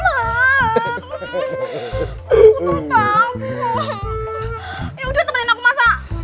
ya udah temenin aku masak